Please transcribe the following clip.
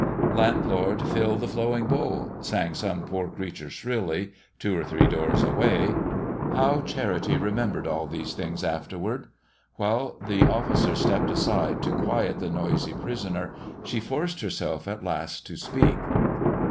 "Landlord, fill the flowing bowl!" sang some poor creature shrilly, two or three doors away. How Charity remembered all these things afterward! While the officer stepped aside to quiet the noisy prisoner she forced herself at last to speak.